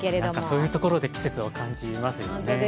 そういうところで季節を感じますよね。